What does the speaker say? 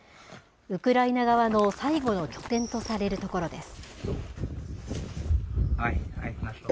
ウクライナ側の最後の拠点とされる所です。